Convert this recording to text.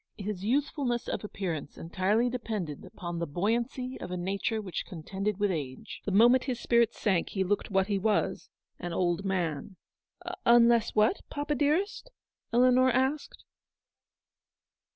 His youthfulness of appearance 82 entirely depended upon the buoyancy of a nature which, contended with age. The moment his spirits sank he looked what he was — an old man. " Unless what, papa, dearest ?" Eleanor asked.